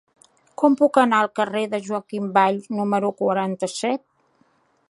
Com puc anar al carrer de Joaquim Valls número quaranta-set?